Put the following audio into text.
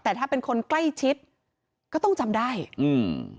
แต่ถ้าเป็นคนใกล้ชิดก็ต้องจำได้อืม